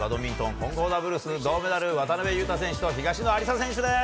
混合ダブルス銀メダル渡辺勇大選手と東野有紗選手です。